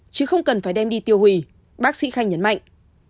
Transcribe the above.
chứ không cần phải đem đi tiêu hủy bác sĩ khanh nhấn mạnh